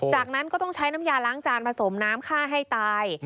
จากนั้นก็ต้องใช้น้ำยาล้างจานผสมน้ำฆ่าให้ตาย